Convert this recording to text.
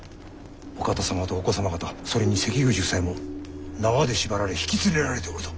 お方様とお子様方それに関口夫妻も縄で縛られ引き連れられておると。